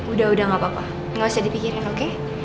udah udah gak apa apa nggak usah dipikirin oke